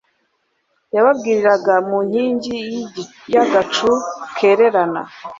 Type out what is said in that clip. Yababwiriraga mu nkingi y’agacu kererana